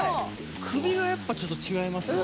首がやっぱちょっと違いますもんね